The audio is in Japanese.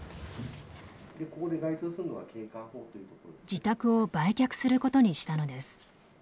自宅を売却することにしたのです。